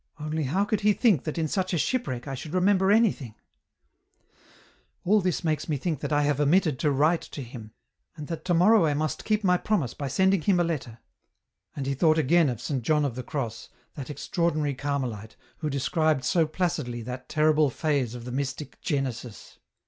Only how could he think that in such a shipwreck I should remember anything !" All this makes me think that I have omitted to write to him, and that to morrow I must keep my promise by send ing him a letter." And he thought again of Saint John of the Cross, that extraordinary Carmelite who described so placidly that terrible phase of the mystic genesis.